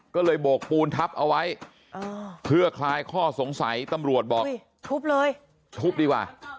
ก็เลยโบกปูนทับเอาไว้เพื่อคลายข้อสงสัยตำรวจบอกทุบเลยทุบดีกว่า